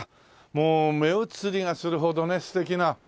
もう目移りがするほどね素敵な。